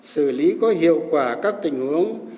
xử lý có hiệu quả các tình huống